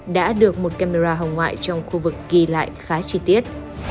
đã được một camera hồng ngoại trong khu vực ghi lại khá chi tiết